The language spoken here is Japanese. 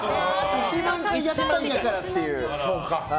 １万回やったんやからっていう。